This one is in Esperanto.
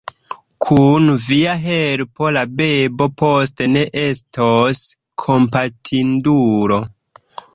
Kun via helpo la bebo poste ne estos kompatindulo.